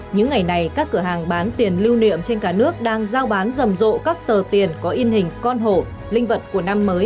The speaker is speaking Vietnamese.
những ngày này các cửa hàng bán tiền lưu niệm trên cả nước đang giao bán rầm rộ các tờ tiền có in hình con hổ linh vật của năm mới hai nghìn hai mươi hai